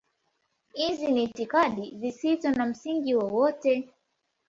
Hizi ni itikadi zisizo na msingi wowote.